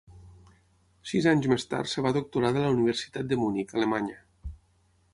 Sis anys més tard es va doctorar de la Universitat de Munic, Alemanya.